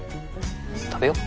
食べよう。